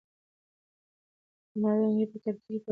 د لمر وړانګې په کړکۍ کې پر ګل دانۍ پرتې وې.